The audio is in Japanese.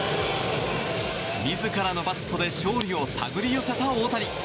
自らのバットで勝利をたぐり寄せた大谷。